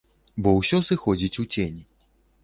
Бо ўсё сыходзіць у цень.